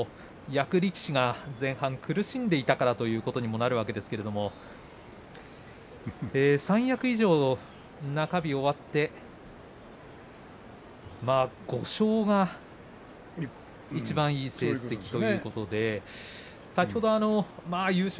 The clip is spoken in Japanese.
役力士が前半苦しんでいたということになるわけですけれども三役以上で中日終わって５勝がいちばんいい成績です。